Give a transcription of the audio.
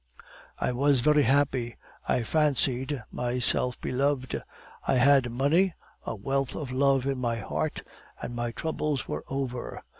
I was very happy; I fancied myself beloved; I had money, a wealth of love in my heart, and my troubles were over.